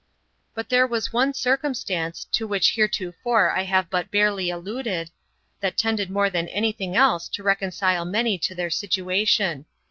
But there was one circumstance, to which heretofore I have but barely alluded, that tended more than any thing else to reconcile many to their situation.